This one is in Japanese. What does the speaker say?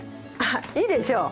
いいでしょ？